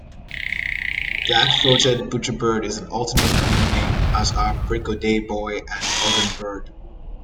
Black-throated butcherbird is an alternate common name, as are Break o'day boy and organbird.